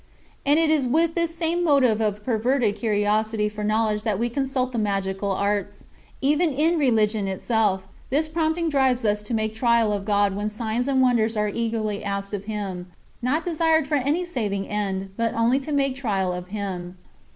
And it is with this same motive of perverted curiosity for knowledge that we consult the magical arts. Even in religion itself, this prompting drives us to make trial of God when signs and wonders are eagerly asked of him not desired for any saving end, but only to make trial of him.